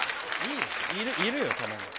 いるよ、たまに。